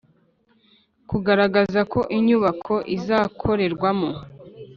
Kugaragaza ko inyubako izakorerwamo